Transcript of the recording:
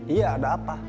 iya ada apa